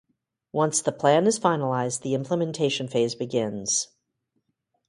Once the plan is finalized, the implementation phase begins.